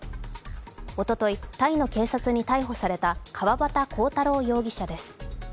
おととい、タイの警察に逮捕された川端浩太郎容疑者です。